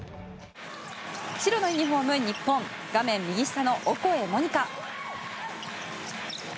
白のユニホーム、日本画面右下のオコエ桃仁花。